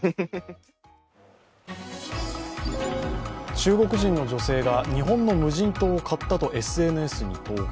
中国人の女性が日本の無人島を買ったとＳＮＳに投稿。